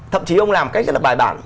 thậm chí ông làm cách rất là bài bản